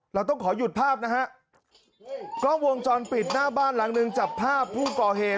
เราต้องขอหยุดภาพนะฮะกล้องวงจรปิดหน้าบ้านหลังหนึ่งจับภาพผู้ก่อเหตุ